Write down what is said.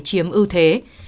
chiếm mức ca nhiễm